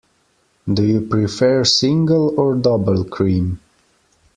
Do you prefer single or double cream?